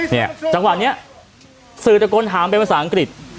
จังหวะนี้สื่อตะโกนถามเป็นภาษาอังกฤษ